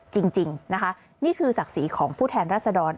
จริงนะคะนี่คือศักดิ์ศรีของผู้แทนรัศดร